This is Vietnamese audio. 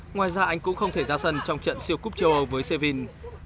ngoài ra anh cũng không thể ra sân trong trận siêu cúp châu âu với sevin